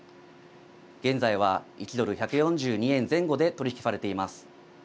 現在は１ドル１４２円前後で取り引きされています。